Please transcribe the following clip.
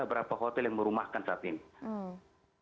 ada berapa hotel yang merumahkan saat ini